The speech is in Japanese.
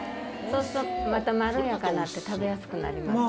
そうするとまたまろやかになって食べやすくなります。